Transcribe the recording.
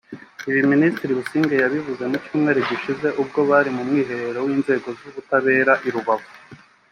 Ibi Minisitiri Busingye yabivuze mu Cyumweru gishize ubwo bari mu mwiherero w’inzego z’ubutabera i Rubavu